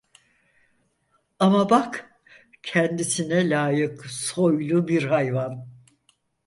Ama bak! Kendisine layık, soylu bir hayvan.